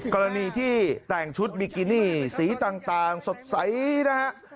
กรณีที่แต่งชุดบิกินี่สีต่างสดใสนะฮะ